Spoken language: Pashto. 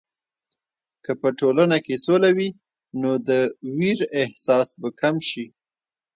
که په ټولنه کې سوله وي، نو د ویر احساس به کم شي.